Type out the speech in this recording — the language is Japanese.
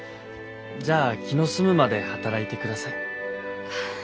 じゃあ気の済むまで働いてください。